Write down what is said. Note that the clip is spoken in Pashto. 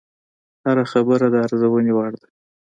هره خبره د ارزونې وړ ده